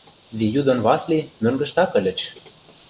Вею ден Васли мӧҥгыштак ыльыч.